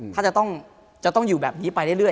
ถ้าจะต้องอยู่แบบนี้ไปเรื่อย